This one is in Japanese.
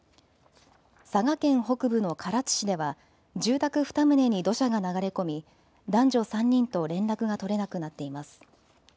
佐賀県北部の唐津市では住宅２棟に土砂が流れ込み男女３人と連絡が取れなくなっています。